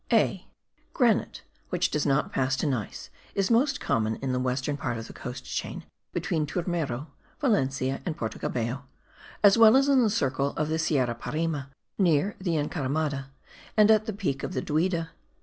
(a) GRANITE which does not pass to gneiss is most common in the western part of the coast chain between Turmero, Valencia and Porto Cabello, as well as in the circle of the Sierra Parime, near the Encaramada, and at the Peak of Duida.